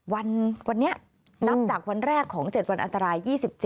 วันนี้นับจากวันแรกของ๗วันอันตราย๒๗